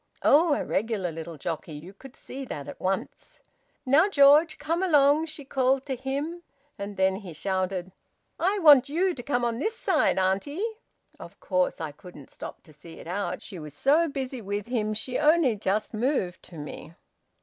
Oh! A regular little jockey! You could see that at once. `Now, George, come along,' she called to him. And then he shouted, `I want you to come on this side, auntie.' Of course I couldn't stop to see it out. She was so busy with him she only just moved to me."